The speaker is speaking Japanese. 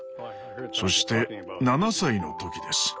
そして７歳の時です。